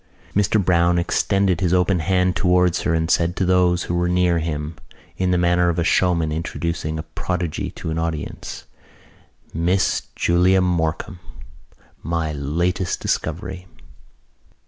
Mr Browne extended his open hand towards her and said to those who were near him in the manner of a showman introducing a prodigy to an audience: "Miss Julia Morkan, my latest discovery!"